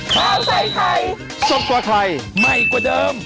สวัสดีค่ะ